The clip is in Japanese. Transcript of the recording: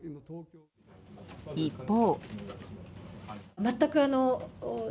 一方。